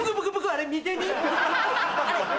あれ見てみ？